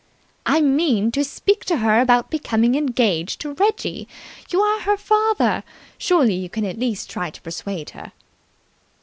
"I mean to speak to her about becoming engaged to Reggie. You are her father. Surely you can at least try to persuade her."